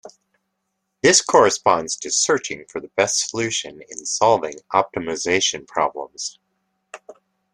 This corresponds to searching for the best solution in solving optimization problems.